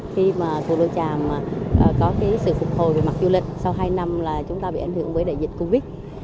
khi cù lao chàm có sự phục hồi về mặt du lịch sau hai năm chúng ta bị ảnh hưởng với đại dịch covid